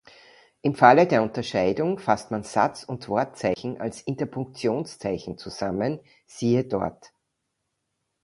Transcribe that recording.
Im Falle der Unterscheidung fasst man Satz- und Wortzeichen als Interpunktionszeichen zusammen, siehe dort.